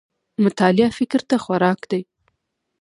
مطالعه فکر ته خوراک دی